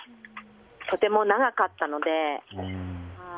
とても長かったので。